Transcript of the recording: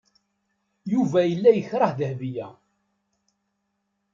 Yuba yella yekṛeh Dahbiya.